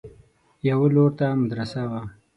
يوه لور ته مدرسه وه.